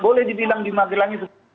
boleh dibilang di magelang itu